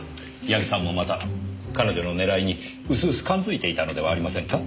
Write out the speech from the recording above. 矢木さんもまた彼女の狙いに薄々感づいていたのではありませんか？